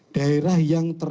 daerah yang terlalu